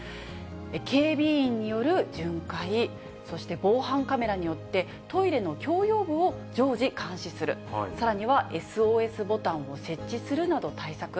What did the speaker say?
警備員による巡回、そして防犯カメラによって、トイレの共用部を常時監視する、さらにはＳＯＳボタンを設置するなど、対策。